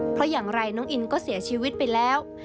เพราะอย่างไรน้องอินก็เสียชีวิตไปแล้ว